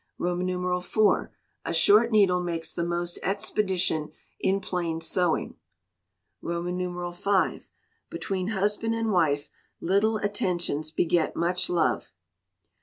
iv. A short needle makes the most expedition in plain sewing. v. Between husband and wife little attentions beget much love.